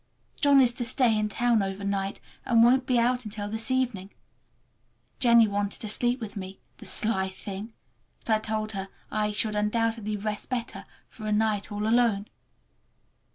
John is to stay in town over night, and won't be out until this evening. Jennie wanted to sleep with me—the sly thing! but I told her I should undoubtedly rest better for a night all alone.